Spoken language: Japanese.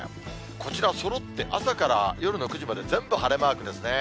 こちら、そろって朝から夜の９時まで、全部晴れマークですね。